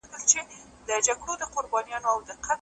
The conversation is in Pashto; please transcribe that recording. ما د ورور په چاړه ورور دئ حلال كړى